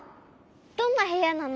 どんなへやなの？